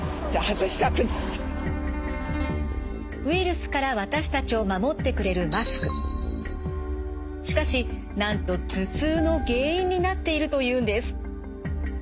ウイルスから私たちを守ってくれるしかしなんと頭痛の原因になっているというんです。